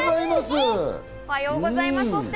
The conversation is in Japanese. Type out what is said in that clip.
おはようございます。